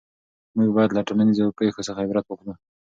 موږ باید له ټولنیزو پېښو څخه عبرت واخلو.